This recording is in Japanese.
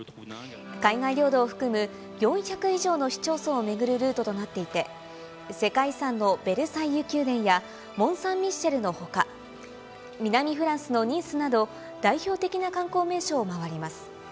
海外領土を含む４００以上の市町村を巡るルートとなっていて、世界遺産のベルサイユ宮殿や、モンサンミッシェルのほか、南フランスのニースなど、代表的な観光名所を回ります。